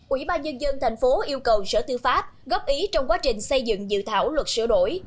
ủy ban nhân dân tp yêu cầu sở tư pháp góp ý trong quá trình xây dựng dự thảo luật sửa đổi